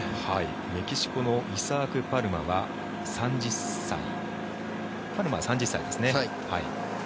メキシコのイサーク・パルマは３０歳ですね。